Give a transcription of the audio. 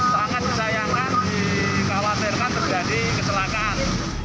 sangat disayangkan dikhawatirkan terjadi kecelakaan